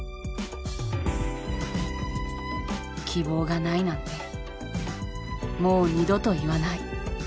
希望がないなんてもう二度と言わない。